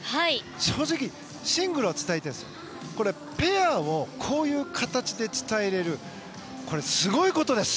正直、シングルは伝えていたんですがペアをこういう形で伝えられるのはすごいことです。